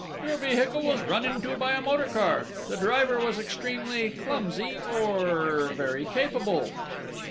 "Your vehicle was run into by a motor car. The driver was extremely clumsy ... or very capable!"